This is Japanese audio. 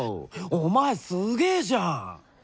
お前すげじゃん！